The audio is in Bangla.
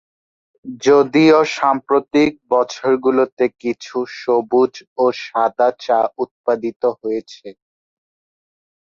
যদিও সাম্প্রতিক বছরগুলোতে কিছু সবুজ ও সাদা চা উৎপাদিত হয়েছে।